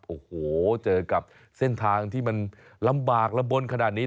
โอ้โหเจอกับเส้นทางที่มันลำบากลำบลขนาดนี้